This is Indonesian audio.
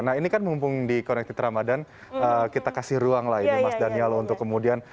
nah ini kan mumpung di connected ramadan kita kasih ruang lah ini mas daniel untuk kemudian